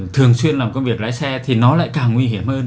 thường xuyên làm công việc lái xe thì nó lại càng nguy hiểm hơn